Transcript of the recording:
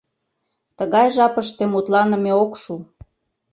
Тыгай жапыште мутланыме ок шу.